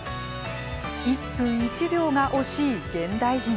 １分１秒が惜しい現代人。